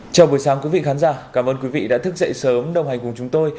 chào buổi sáng quý vị khán giả cảm ơn quý vị đã thức dậy sớm đồng hành cùng chúng tôi